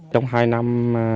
trong hai năm